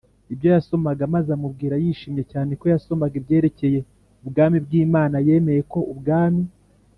Ibyo yasomaga maze amubwira yishimye cyane ko yasomaga ibyerekeye ubwami bw imana yemeye ko ubwami